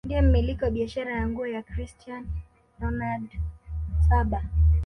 ndiye mmiliki wa biashara ya nguo ya cristian ronald saba